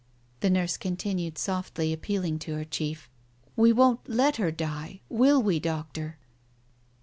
The nurse continued, softly, appealing to her chief. "We won't let her die, will we, Doctor